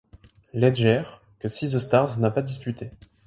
Leger, que Sea The Stars n'a pas disputé.